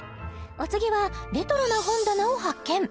お次はレトロな本棚を発見